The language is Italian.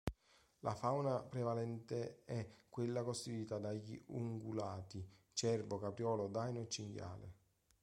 La fauna prevalente è quella costituita dagli ungulati: cervo, capriolo, daino e cinghiale.